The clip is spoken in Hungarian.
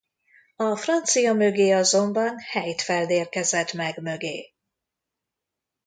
A francia mögé azonban Heidfeld érkezett meg mögé.